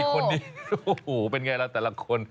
โอโภเป็นไงล่ะแต่ละคน